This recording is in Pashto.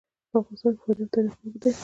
په افغانستان کې د فاریاب تاریخ اوږد دی.